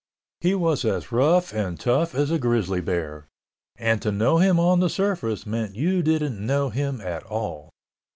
He was as rough and tough as a grizzly bear, and to know him on the surface meant you didn't know him at all.